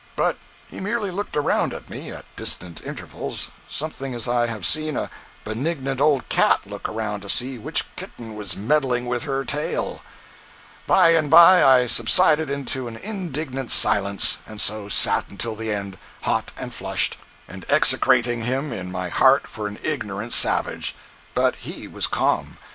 But he merely looked around at me, at distant intervals, something as I have seen a benignant old cat look around to see which kitten was meddling with her tail. By and by I subsided into an indignant silence, and so sat until the end, hot and flushed, and execrating him in my heart for an ignorant savage. But he was calm.